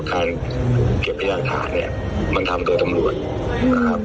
การเก็บพยากฐานเนี่ยมันทำโดยตำรวจนะครับ